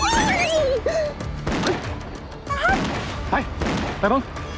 ไปไปบ้าง